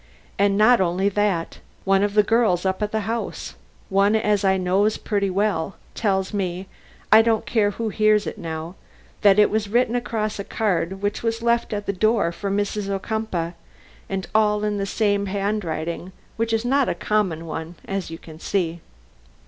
"And not only that. One of the girls up at the house one as I knows pretty well tells me I don't care who hears it now that it was written across a card which was left at the door for Mrs. Ocumpaugh, and all in the same handwriting, which is not a common one, as you can see.